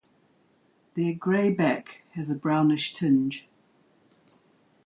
Their grey back has a brownish tinge.